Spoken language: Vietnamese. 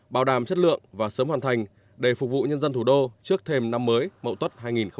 bảo đảm chất lượng và sớm hoàn thành để phục vụ nhân dân thủ đô trước thêm năm mới mậu tuất hai nghìn hai mươi